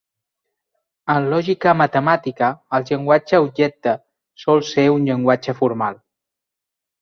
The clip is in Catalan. En lògica matemàtica, el llenguatge objecte sol ser un llenguatge formal.